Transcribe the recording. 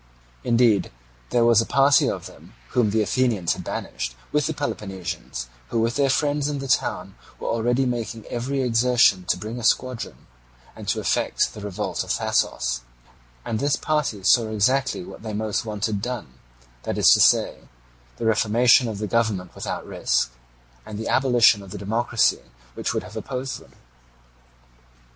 Indeed there was a party of them (whom the Athenians had banished), with the Peloponnesians, who with their friends in the town were already making every exertion to bring a squadron, and to effect the revolt of Thasos; and this party thus saw exactly what they most wanted done, that is to say, the reformation of the government without risk, and the abolition of the democracy which would have opposed them.